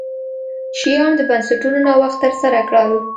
شیام د بنسټونو نوښت ترسره کړل.